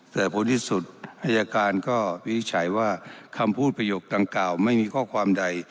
แต่ผลที่สุดอายการก็วินิจฉัยว่าคำพูดประโยคดังกล่าวไม่มีข้อความใด